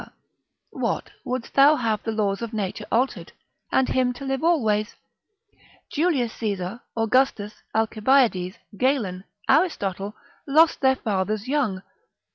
What, wouldst thou have the laws of nature altered, and him to live always? Julius Caesar, Augustus, Alcibiades, Galen, Aristotle, lost their fathers young.